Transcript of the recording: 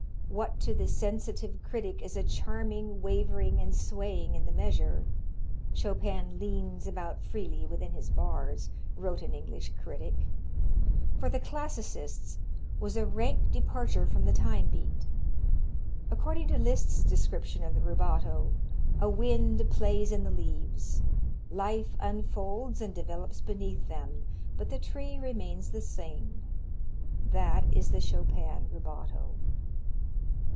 What to the sensitive critic is a charming wavering and swaying in the measure "Chopin leans about freely within his bars," wrote an English critic for the classicists was a rank departure from the time beat. According to Liszt's description of the rubato "a wind plays in the leaves, Life unfolds and develops beneath them, but the tree remains the same that is the Chopin rubato."